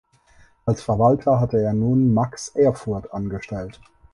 Als Verwalter hatte er nun Max Erfurth angestellt.